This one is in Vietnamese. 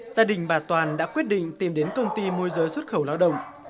gia đình bà toàn đã quyết định tìm đến công ty môi giới xuất khẩu lao động